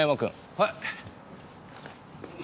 はい！